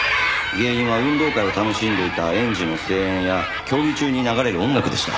原因は運動会を楽しんでいた園児の声援や競技中に流れる音楽でした。